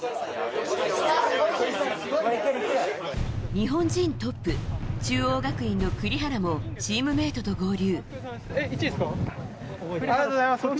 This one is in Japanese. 日本人トップ中央学院の栗原もチームメートと合流。